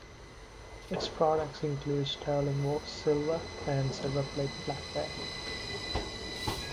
Its products include sterling silver and silverplate flatware.